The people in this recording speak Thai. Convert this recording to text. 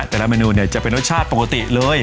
แต่ละเมนูเนี่ยจะเป็นรสชาติปกติเลย